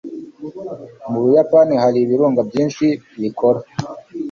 mu buyapani hari ibirunga byinshi bikora